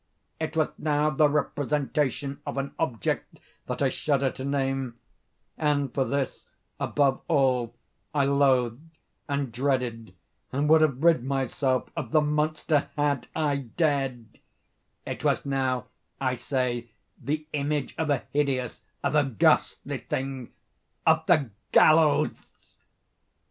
It was now the representation of an object that I shudder to name—and for this, above all, I loathed, and dreaded, and would have rid myself of the monster had I dared—it was now, I say, the image of a hideous—of a ghastly thing—of the GALLOWS!